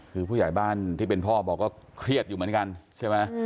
คือผู้ใหญ่บ้านที่เป็นพ่อบอกว่าเครียดอยู่เหมือนกันใช่ไหม